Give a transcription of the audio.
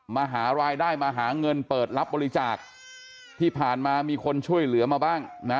มาหารายได้มาหาเงินเปิดรับบริจาคที่ผ่านมามีคนช่วยเหลือมาบ้างนะ